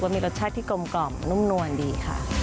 มีรสชาติที่กลมกล่อมนุ่มนวลดีค่ะ